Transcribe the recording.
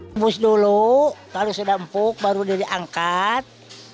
membus dulu kalau sudah empuk baru diangkat